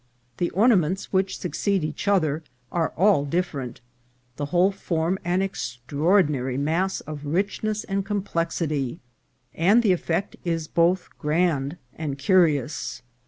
The ornaments, which succeed each other, are all different ; the whole form an extraordinary mass of richness and complexity, and the effect is both grand and curious.